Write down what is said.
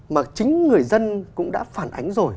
mà chính người dân cũng đã phản ánh rồi